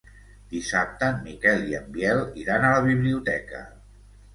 Dissabte en Miquel i en Biel iran a la biblioteca.